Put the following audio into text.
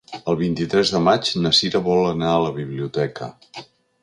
El vint-i-tres de maig na Sira vol anar a la biblioteca.